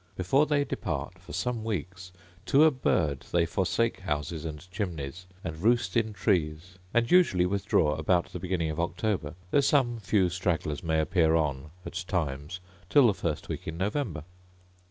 Before they depart, for some weeks, to a bird, they forsake houses and chimneys, and roost in trees; and usually withdraw about the beginning of October; though some few stragglers may appear on at times till the first week in November.